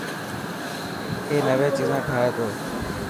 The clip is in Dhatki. اي نوي چيزان ٺاهي تو.